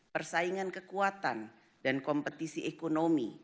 persaingan kekuatan dan kompetisi ekonomi